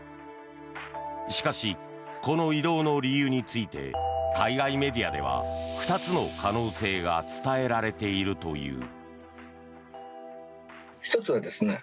しかし、この異動の理由について海外メディアでは２つの可能性が伝えられているという。